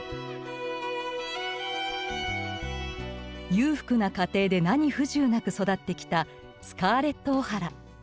裕福な家庭で何不自由なく育ってきたスカーレット・オハラ。